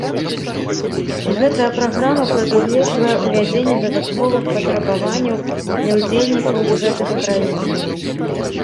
І гэтая праграма прадугледжвае ўвядзенне дадатковых патрабаванняў для ўдзельнікаў з гэтых краінаў.